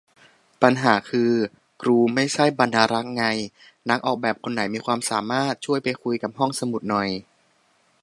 ปัญหาคือ กรูไม่ใช่บรรณารักษ์ไง นักออกแบบคนไหนมีความสามารถ ช่วยไปคุยกับห้องสมุดหน่อย